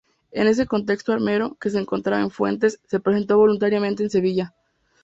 En este contexto Armero, que se encontraba en Fuentes, se presentó voluntariamente en Sevilla.